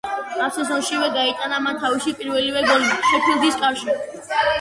ამ სეზონშივე გაიტანა მან თავისი პირველი გოლი „შეფილდის“ კარში.